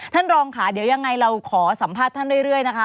ท่านรองค่ะเดี๋ยวยังไงเราขอสัมภาษณ์ท่านเรื่อยนะคะ